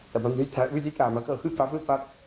แต่วิธีการมันก็ฮึดฟับ